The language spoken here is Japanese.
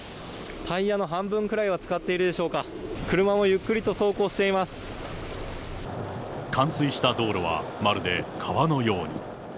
タイヤの半分くらいはつかっているでしょうか、冠水した道路は、まるで川のように。